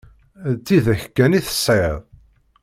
D tidak kan i tesɛiḍ?